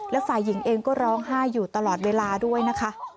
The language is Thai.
และฝ่ายหญิงเองก็ร้องไห้อยู่ตลอดเวลาด้วยนะคะ